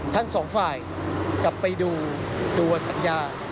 ทั้งสองฝ่ายกลับไปดูตัวสัญญา